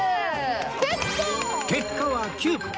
結果は９個！